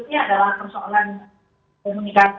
tapi untuk setiap kemasan diwalikan sudah turun sekitar lima rupiah